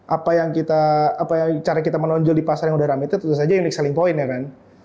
apa yang kita cara kita menonjol di pasar yang udah rame itu tentu saja unic selling point ya kan